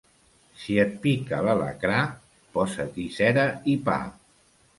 Si et pica l'alacrà, posa-t'hi cera i pa.